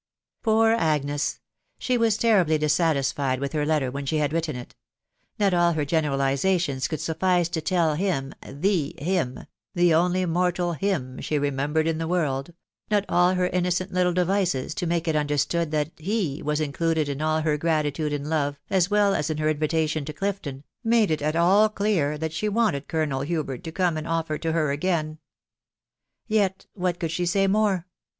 Poor Agnes !•..• She was terribly dissatisfied with her letter when she had written it Not all her generalisations could suffiee to tell him, the him; the only mortal him she remembered in the world, — not all her innocent little devices to make it understood that he was included in all her gratitude and love, as well as in her invitation to Clifton, made it at all clear that she wanted Colonel Hubert to come and offer to her again. Yet what could she say more